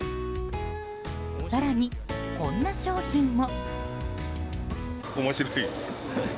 更に、こんな商品も。